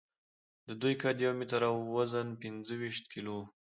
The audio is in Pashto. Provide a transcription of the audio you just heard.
د دوی قد یو متر او وزن پینځهویشت کیلو و.